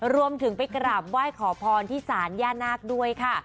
รวมถึงไปกราบไหว้ขอพรที่ศาลย่านาคด้วยค่ะ